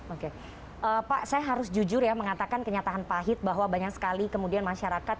oke pak saya harus jujur ya mengatakan kenyataan pahit bahwa banyak sekali kemudian masyarakat